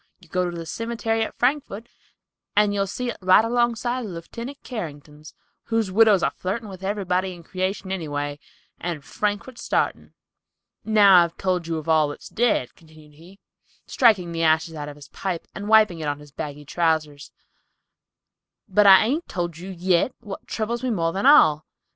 You go to the cimetery at Frankford, and you'll see it right along side of Leftenant Carrington's, whose widow's a flirtin' with everybody in creation anyway, and Frankford sartin." "I've now told you of all that's dead," continued he, striking the ashes out of his pipe and wiping it on his bagging trousers, "but I hain't told you yit what troubles me more than all.